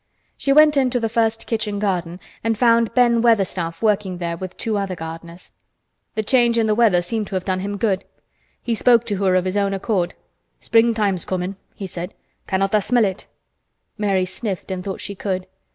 She went into the first kitchen garden and found Ben Weatherstaff working there with two other gardeners. The change in the weather seemed to have done him good. He spoke to her of his own accord. "Springtime's comin,'" he said. "Cannot tha' smell it?" Mary sniffed and thought she could.